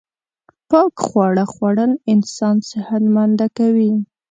پاک خواړه خوړل انسان صحت منده کوی